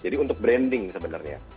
jadi untuk branding sebenarnya